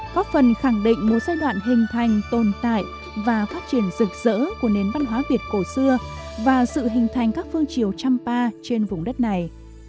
có phần khẳng định một giai đoạn hình thành tồn tại và phát triển rực rỡ của nền văn hóa việt cổ xưa và sự hình thành các phương chiều trăm pa trên vùng đất này